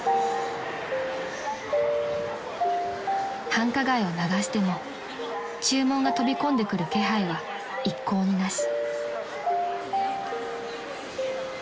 ［繁華街を流しても注文が飛び込んでくる気配は一向になし］